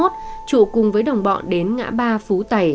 trụ cùng với đồng bọn đến ngã ba phú tài